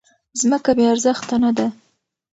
ځمکه بې ارزښته نه ده.